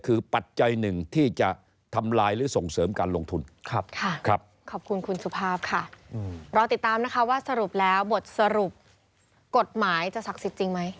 สรุปกฎหมายจะศักดิ์สิทธิ์จริงไหม